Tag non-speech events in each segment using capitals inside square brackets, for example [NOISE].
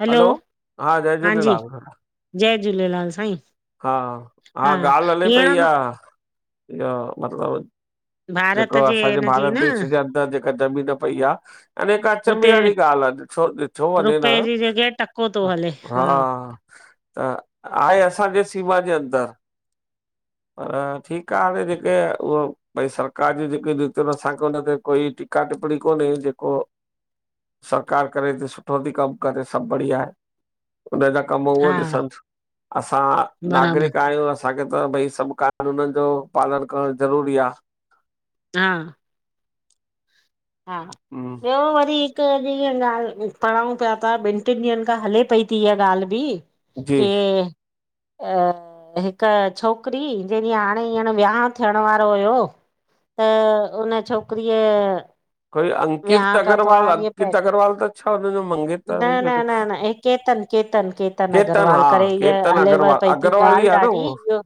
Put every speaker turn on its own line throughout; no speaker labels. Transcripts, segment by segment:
Hello,
hello हा जय
हांजी।
झूलेलाल
जय झूलेलाल साईं।
हा, हा ॻाल्हि हले पई
हींअर मां
इहा, मतिलबु
भारत
जेको
जे
असांजे
हिनजी
भारत
न
देश जे अंदरि जेका ज़मीन पई आह, अने का
हुते
अचंबे वारी ॻाल्हि आह। छो ॾिठो वञे
रुपए
न,
जी जॻह टको थो हले
हा त आहे असांजे सीमा जे अंदर्।
[INAUDIBLE]
पर ठीकु आहे, हले जेके उहो भई सरकार जी जेके नीतियूं आहिनि, असांखे हुन ते कोई का टिपणी कोन्हे जेको
[INAUDIBLE]
सरकार करे थी, सुठो थी कमु करे, सभु बढ़िया आहे। उन जा कम उहो
हा
ॾिसनस्, असां
बराबर
नागरिक कयूं, असांखे त भई सभु कानूननि जो पालन करणु ज़रूरी आ।
हां हा,
हम्म,
ॿियो वरी क जीअं ॻाल्हि पढ़ऊं पिया ता, ॿिनि टिनि ॾींहनि खां हले पई थी इहा ॻाल्हि बि।
जी
केर [UNINTELLIGIBLE] अ हिक छोकिरी, जंहिंजी हाणे हींअन विहांउ थियण वारो हुयो। त उन छोकिरीअ
कोई अंकित
वियांह खां
अगरवाल,
थोरा ॾींहं पहिर
अंकित अगरवाल त छा हुनजो मंगेतर
न
हुई
न
गडु
न न
[UNINTELLIGIBLE]
हे केतन, केतन, केतन अगरवाल
हा
करे ईअ
केतन
हलेव
अग्रवाल
पई थी
अग्रवाल ई
ॻाल्हि
आ न
ॾाढी,
उहो
इहो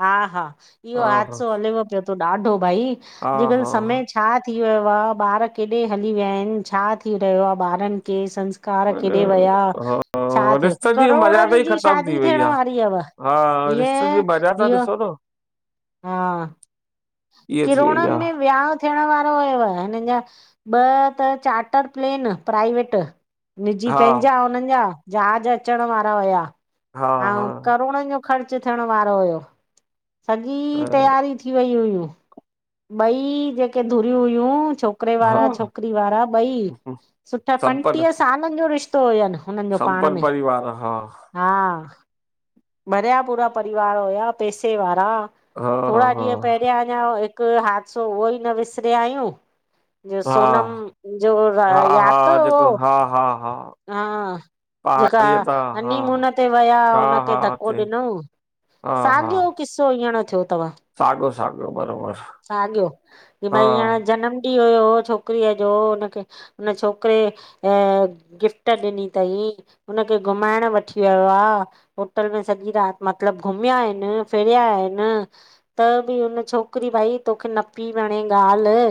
हा, हा, इहो
हा हा
हादसो हलेव पियो थो ॾाढो भई! अॼुकल्ह
हा
समय छा थी वियो आ? ॿार केॾे हली विया आहिनि? छा थी रहियो आहे ॿारनि खे संस् कार
हा
केॾे वया?
हा
छा
हा,
थियो?
रिश्ते जी मर्यादा
करोड़नि
ई
जी
ख़तम थी
शादी
वई
थियण
आ।
वारी हुवव।
हा रिश्ते जी
ईअं
मर्यादा
इहो
ॾिसो न
हा,
इहा थी वई
किरोड़नि
आ
में वियाउं थियण वारो हुयव, हिनन् जा ॿ त चार्टर प्लेन प्राइवेट। निजी
हा
पंहिंजा हुननि जा, जहाज अचण वारा हुया,
हा हा
अऊं करोड़नि जा ख़र्च थियण वारो हुयो, सॼी तयारी थी वई हुयूं। ॿई जेके धुरियूं हुयूं, छोक करे
हा
वारा
हा,
छोकिरी वारा ॿई, सुठा
संपन्न
पंटीह सालनि जो रिश्त तो हुयनि हुननि जो पाण
संपन्न
में
परिवार हा
हा भरिया पूरा परिवार हुया, पैसे वारा।
हा
थोरा
हा
ॾींहं पहिरियां अञां हिकु हादिसो उहो ई न विसरिया आहियूं। जो
हा,
सोनम जो
हा,
यादि
हा,
अथव
जेको
उहो?
हा, हा, हा
हा, जेका
पहाड़ीअ तां हा।
हनीमुन ते वया
हा, हा,
हुनखे,
अचे
धको ॾिन‌ऊं?
हा, हा
किसो हीअर थियो अथव
साॻियो साॻियो बरोबर
साॻियो की
हा।
भई हींअर जनम की हुयो छोकिरीअ जो हुनखे हुन छोकिरे अअअ गिफ्ट ॾिनी तई, हुनखे घुमाइण वठी वयो आ होटल में सॼी राति मतिलबु घुमिया आहिनि, फिरिया आहिनि। त बि हुन छोकिरी भाई तोखे न पेई वणे ॻाल्हि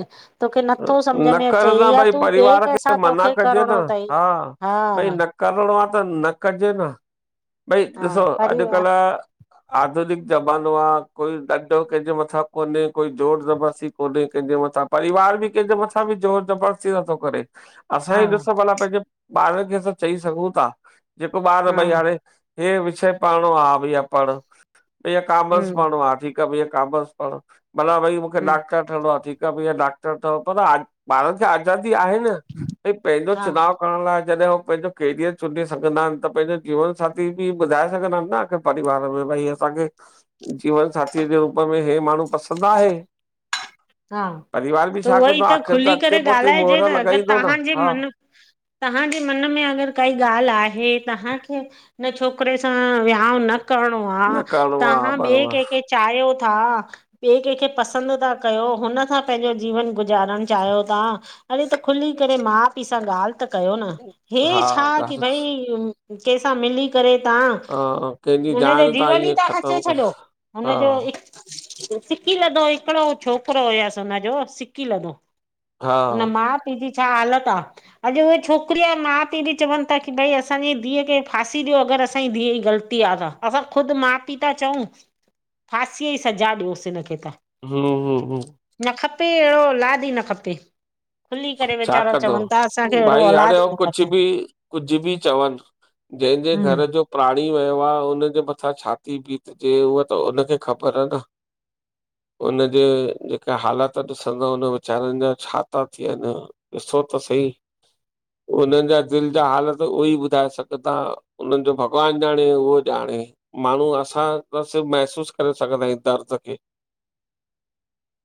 तोखे नथो समझ
न
में
कर
अच‌इ
न
या
भई
तूं ॿिए
परिवार खे
कंहिंसा
मना
तोखे
कजे न
करिणो तई
हा। भई न करिणो आ त न कजे न, भई
हा
ॾिसो अॼु
परिवार
कल आधुनिक ज़मानो आ, कोई ॾंडो कंहिंजे मथां कोन्हे, कोई जोर ज़बरदस्ती कोन्हे कंहिंजे मथां, परिवार कोई कंहिंजे मथां बि जोर ज़बरदस्ती नथो करे। असां
हा
ई ॾिसो भला पंहिंजे ॿारनि खे असां चई सघूं था। जेको ॿार
हा
भई हाणे हे विषय पढ़णो आ भईया पढ़ु। भईया कॉमर्स
हम्म
पढ़णो आ, ठीक त भैया कामर्स पढ़ु। भला भाई मूंखे
हम्म
डॉक्टर ठहणो आ ठीक आ भैया डाक् ठहु पर आज् ॿारनि खे आज़ादी आहे न? भई पंहिंजो
हा
चुनाव करण लाइ जॾहिं हू पंहिंजो कैरियर चूंडे सघंदा आहिनि त पंहिंजो जीवन साथी बि ॿुधाए सघंदा आहिनि न? आखिर परिवार में भई असांखे जीवन साथीअ जे रूप में हे माण्हू पसंदि आहे।
हां।
परिवार बि
त
छा
उहो ई
कंदो
त
आख़िर
खुली करे
अॻिते पोइते
ॻाल्हाइजे
मोहर
न अगरि
लॻाईंदो न
तव्हांजे
हा
मन तव्हांजे मन में अगरि काई ॻाल्हि आहे तव्हांखे उन छोकिरे सां विहाांउ न करणो आ
न करिणो आ
तव्हां ॿिए
बराबरि
कंहिंखे चाहियो था ॿिए कंहिंखे पसंदि- कयो हुन सां पंहिंजो जीवन गुज़ारण चाहियो था अड़े त खुली करे माउ पीउ सां ॻाल्हि त कयो न, हे
हा
छा की
ॻाल्हि
भई कंहिंसां मिली करे तव्हां
हा कंहिंजी
हुन जो
जान तां
जीवन ई
ईअं
था खसे
ख़तम करे
छॾियो
हा
हुनजो सिकी लधो हिकिड़ो छोकिरो हुयसि हुनजो सिकी लधो
हा
हुन माउ पीउ जी छा हालत आ अॼु उहे छोकिरी जा माउ पीउ बि चवनि था की भई असांजी धीअ खे फासी ॾियो अगरि असांजी धीअ जी ग़लती आ। त असां ख़ुदि माउ पीउ था चऊं फासीअ जी सजा ॾियोसि हिन खे त।
हम्म् हम्म। हम्म
न खपे अहिड़ो ओलादि ई न खपे। खुली करे
छा
वेचारा
कंदव,
चवनि था असांखे अहिड़ो
भई हाणे
औलाद
हू
ई न
कुझु
खपे।
बि कुझ बि चवनि जहिंजे
हम्म
घर जो प्राणी वयो आ उनजे मथां छाथी बीतजे उहा त उनखे ख़बर न? हुन जे जेके हालात ॾिसंदउ न वीचारनि जा छा था थियनि ॾिसो त सही उननि जा दिलि जा हालत उहो ई ॿुधाए सघंदा उन्हनि जो भॻवानु ॼाणे उहो ॼाणे। माण्हू असां बसि महसूस करे सघंदा आहियूं दर्द खे।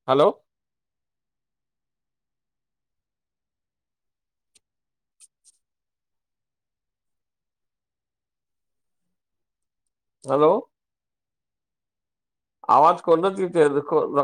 हलो हलो आवाज़ कोन थी अचे रखो रखो